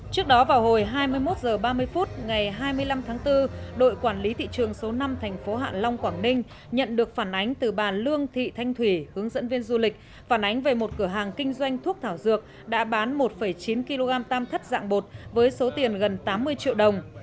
trước đó vào hồi hai mươi một h ba mươi phút ngày hai mươi năm tháng bốn đội quản lý thị trường số năm thành phố hạ long quảng ninh nhận được phản ánh từ bà lương thị thanh thủy hướng dẫn viên du lịch phản ánh về một cửa hàng kinh doanh thuốc thảo dược đã bán một chín kg tam thất dạng bột với số tiền gần tám mươi triệu đồng